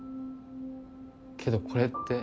けどこれって